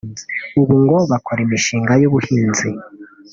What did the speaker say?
ubu ngo bakora imishinga y’ubuhinzi